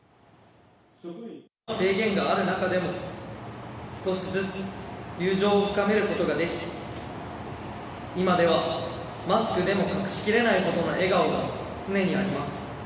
制限がある中でも少しずつ友情を深めることができ今ではマスクでも隠しきれないほどの笑顔が常にあります。